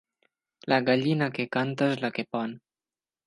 La gallina que canta és la que pon.